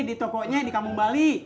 di tokonya di kampung bali